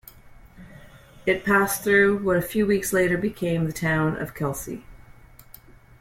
It passed through what a few weeks later became the town of Kelsey.